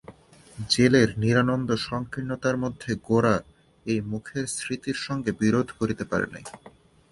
জেলের নিরানন্দ সংকীর্ণতার মধ্যে গোরা এই মুখের স্মৃতির সঙ্গে বিরোধ করিতে পারে নাই।